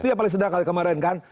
dia paling sederhana kali kemarin kan